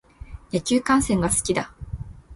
野球観戦が好きだ。